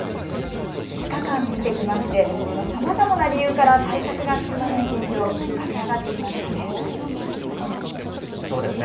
２日間見てきましてさまざまな理由から対策が進まない現状、浮かび上がってきましたね。